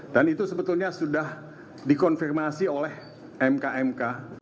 dan itu sebetulnya sudah dikonfirmasi oleh mk mk